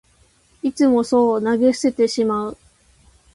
いつもそう投げ捨ててしまう